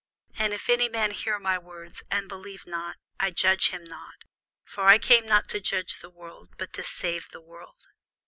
And if any man hear my words, and believe not, I judge him not: for I came not to judge the world, but to save the world.